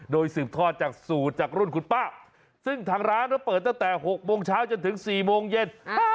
โดยสืบทอดจากสูตรจากรุ่นคุณป้าซึ่งทางร้านเปิดตั้งแต่๖โมงเช้าจนถึง๔โมงเย็น